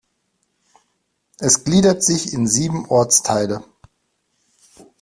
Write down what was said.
Es gliedert sich in sieben Ortsteile.